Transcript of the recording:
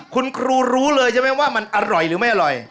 คุณครูรู้เลยใช่ไหมว่ามันอร่อยหรือไม่อร่อย